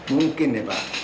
mungkin ya pak